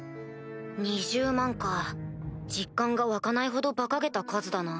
２０万か実感が湧かないほどバカげた数だな。